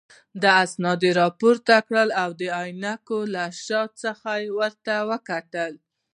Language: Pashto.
دې اسناد راپورته کړل او د عینکو له شا څخه یې ورته وکتل.